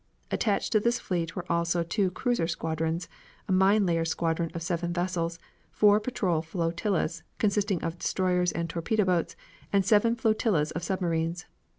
Attached to this fleet were also two cruiser squadrons, a mine layer squadron of seven vessels, four patrol flotillas, consisting of destroyers and torpedo boats, and seven flotillas of submarines.